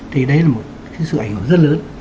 thì đấy là một sự ảnh hưởng rất lớn